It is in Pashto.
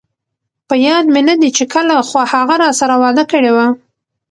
په ياد مې ندي چې کله، خو هغه راسره وعده کړي وه